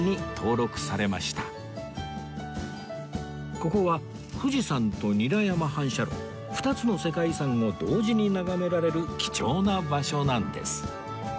ここは富士山と韮山反射炉２つの世界遺産を同時に眺められる貴重な場所なんです